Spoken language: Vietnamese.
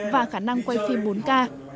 và khả năng quay phim bốn k